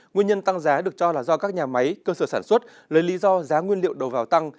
nguyên nhân tăng giá được cho là do các nhà máy cơ sở sản xuất lấy lý do giá nguyên liệu đầu vào tăng